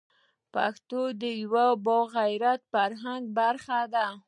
پښتو د یوه با عزته فرهنګ یوه برخه ده.